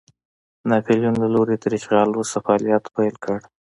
ناپلیون له لوري تر اشغال وروسته فعالیت پیل کړ.